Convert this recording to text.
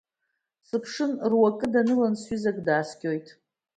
Сыԥшын, руакы данылан сҩызак дааскьоит.